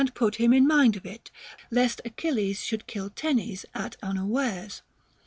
put him ill mind of it, lesl Achilles should kill Tenes at unawares.